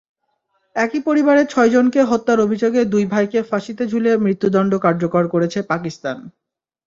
একই পরিবারের ছয়জনকে হত্যার অভিযোগে দুই ভাইকে ফাঁসিতে ঝুলিয়ে মৃত্যুদণ্ড কার্যকর করেছে পাকিস্তান।